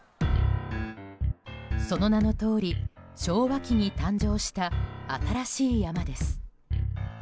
その名のとおり昭和期に誕生した新しい山です。